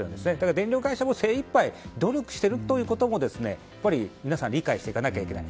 電力会社も精いっぱい努力していることを皆さん理解していかないといけない。